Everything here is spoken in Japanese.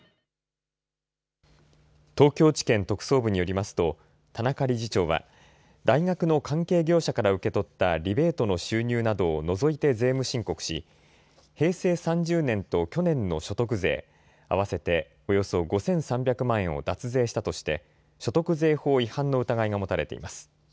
東京地検特捜部によりますと田中理事長は大学の関係業者から受け取ったリベートの収入などを除いて税務申告し平成３０年と去年の所得税、合わせておよそ５３００万円を脱税したとして所得税法違反の疑いが持たれています。